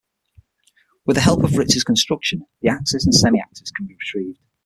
With help of Rytz's construction the axes and semi-axes can be retrieved.